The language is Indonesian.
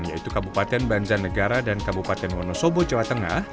yaitu kabupaten banjarnegara dan kabupaten wonosobo jawa tengah